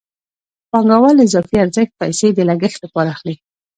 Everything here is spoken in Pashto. پانګوال له اضافي ارزښت پیسې د لګښت لپاره اخلي